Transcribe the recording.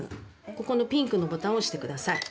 ここのピンクのボタンを押して下さい。